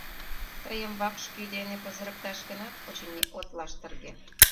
Тыйым вакш кӱ дене пызырыкташ гынат, очыни, от лаштырге...